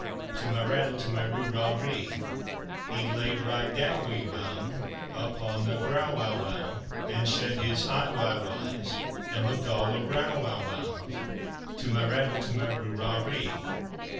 To my rattle, to my roo rah ree! He laid right dow we wown Upon the gro wo wound And shut his ey wy wyes And looked all aro wo wound. To my rattle, to my roo rah ree!